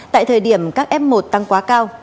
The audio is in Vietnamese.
tại thời điểm các f một tăng quá cao